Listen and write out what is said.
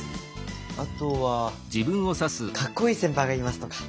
あとは「かっこいい先輩がいます」とか。